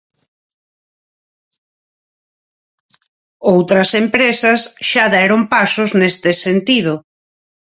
Outras empresa xa deron pasos neste sentido.